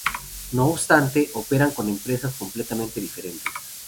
No obstante, operan como empresas completamente diferentes.